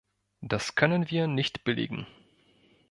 Das können wir nicht billigen.